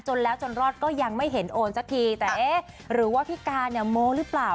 จนแล้วจนรอดก็ไม่เห็นโอนซักทีแต่เอ๊ะหรือว่าพี่การโมสรึเปล่า